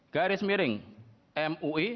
garis miring mui